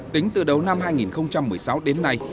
tính từ đầu năm hai nghìn một mươi sáu đến nay